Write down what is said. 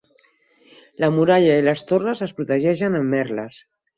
La muralla i les torres es protegeixen amb merles.